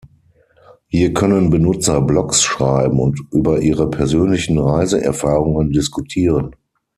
Hier können Benutzer Blogs schreiben und über ihre persönlichen Reiseerfahrungen diskutieren.